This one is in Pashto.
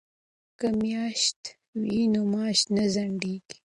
که میاشت وي نو معاش نه ځنډیږي.